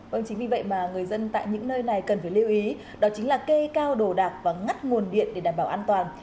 vâng chính vì vậy mà người dân tại những nơi này cần phải lưu ý đó chính là kê cao đồ đạc và ngắt nguồn điện để đảm bảo an toàn